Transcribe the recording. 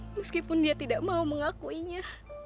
meskipun dia tidak mau mengakuinya